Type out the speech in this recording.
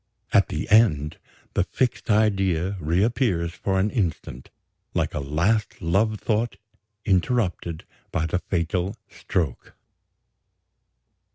At the end, the fixed idea reappears for an instant, like a last love thought interrupted by the fatal stroke.